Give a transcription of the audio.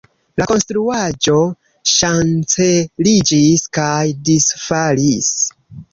La konstruaĵo ŝanceliĝis kaj disfalis.